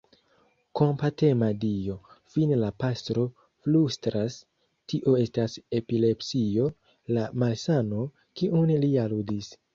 Kompatema Dio! fine la pastro flustras, tio estas epilepsio, la malsano, kiun li aludis.